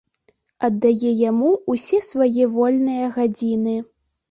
Аддае яму ўсе свае вольныя гадзіны.